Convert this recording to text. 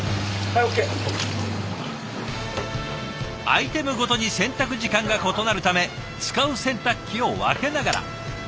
アイテムごとに洗濯時間が異なるため使う洗濯機を分けながら。